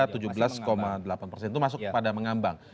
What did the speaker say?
itu masuk pada mengambang